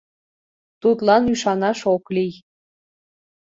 Тудлан ӱшанаш ок лий.